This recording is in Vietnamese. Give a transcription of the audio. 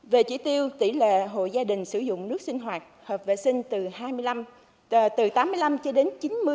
về chỉ tiêu tỷ lệ hội gia đình sử dụng nước sinh hoạt hợp vệ sinh từ tám mươi năm cho đến chín mươi